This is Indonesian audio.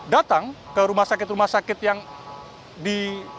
datang ke rumah sakit rumah sakit yang di